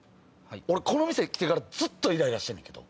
俺この店来てからずっとイライラしてんねんけど。